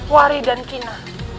wari dan kina